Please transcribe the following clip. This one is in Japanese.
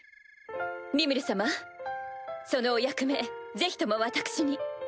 リムル様そのお役目ぜひとも私に。